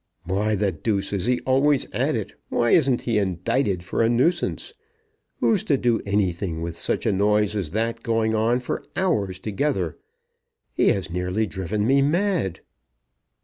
"Why the deuce is he always at it? Why isn't he indited for a nuisance? Who's to do anything with such a noise as that going on for hours together? He has nearly driven me mad."